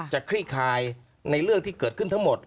คลี่คลายในเรื่องที่เกิดขึ้นทั้งหมด